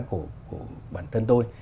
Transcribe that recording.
của bản thân tôi